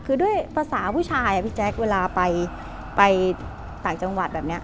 คือด้วยภาษาผู้ชายอ่ะพี่แจ๊คเวลาไปต่างจังหวัดแบบนี้